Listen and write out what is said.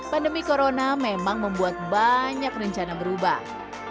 pandemi corona memang membuat banyak rencana berubah